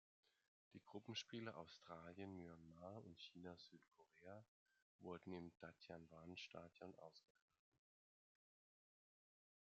Die Gruppenspiele Australien-Myanmar und China-Südkorea wurden im Datianwan-Stadion ausgetragen.